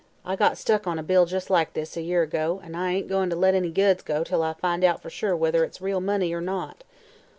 I got stuck on a bill jus' like this a year ago, an' I ain't goin' to let any goods go till I find out for sure whether it's real money or not."